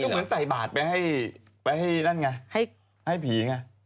คือเหมือนใส่บาทไปให้นั่นไงให้ผีไง